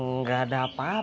nggak ada apa apa